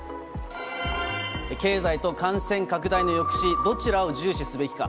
経済と感染拡大の抑止、どちらを重視すべきか。